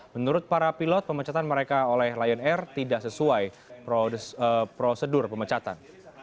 menurut para pilot pemecatan mereka oleh lion air tidak sesuai prosedur pemecatan